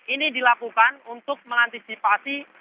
ini dilakukan untuk mengantisipasi